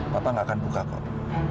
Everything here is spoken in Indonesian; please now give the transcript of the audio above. papa gak akan buka kok